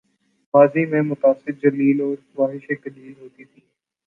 ماضی میں مقاصد جلیل اور خواہشیں قلیل ہوتی تھیں۔